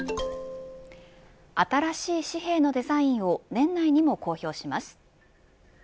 新しい紙幣のデザインを年内にも公表します。